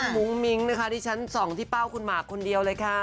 มุ้งมิ้งนะคะที่ฉันส่องที่เป้าคุณหมากคนเดียวเลยค่ะ